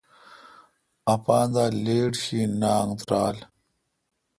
اپان دا لیٹ شینانگ ترال